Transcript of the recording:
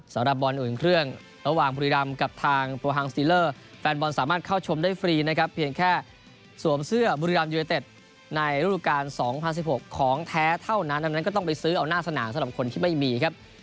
สำหรับบอลอื่นเครื่องระหว่างบุรีรำกับทางตัวฮังซีเลอร์แฟนบอลสามารถเข้าชมได้ฟรีนะครับเพียงแค่สวมเสื้อบุรีรัมยูเนเต็ดในรูปการ๒๐๑๖ของแท้เท่านั้นดังนั้นก็ต้องไปซื้อเอาหน้าสนามสำหรับคนที่ไม่มีครับ